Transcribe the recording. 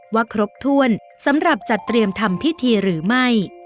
ว่าครบถ้วนสำหรับจัดเตรียมทำพิธีหรือไม่